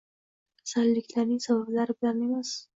kasalliklarning sabablari bilan emas